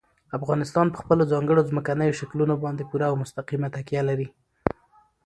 افغانستان په خپلو ځانګړو ځمکنیو شکلونو باندې پوره او مستقیمه تکیه لري.